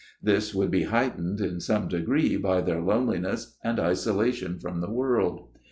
This would be heightened in some degree by their loneliness and isolation from the world.